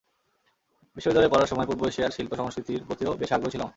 বিশ্ববিদ্যালয়ে পড়ার সময় পূর্ব এশিয়ার শিল্প-সংস্কৃতির প্রতিও বেশ আগ্রহ ছিল আমার।